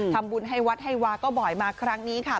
ทำบุญให้วัดให้วาก็บ่อยมาครั้งนี้ค่ะ